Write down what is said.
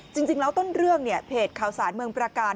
จริงแล้วต้นเรื่องเนี่ยเพจข่าวสารเมืองประการ